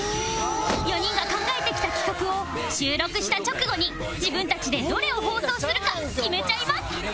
４人が考えてきた企画を収録した直後に自分たちでどれを放送するか決めちゃいます